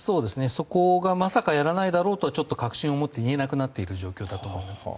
そこをまさかやらないだろうとちょっと確信を持って言えなくなっている状況だと思います。